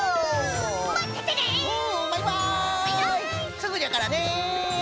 すぐじゃからね。